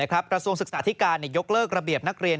กระทรวงศึกษาธิการยกเลิกระเบียบนักเรียน